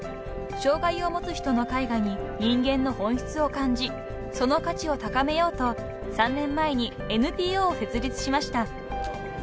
［障害を持つ人の絵画に人間の本質を感じその価値を高めようと３年前にＮＰＯを設立しました］